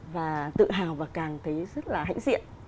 và tự hào và càng thấy rất là hãnh diện